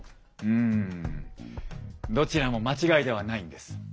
うんどちらも間違いではないんです。